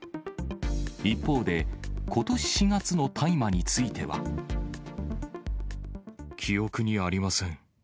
一方で、ことし４月の大麻につい記憶にありません。